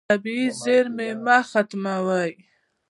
طبیعي زیرمه مه ختموه.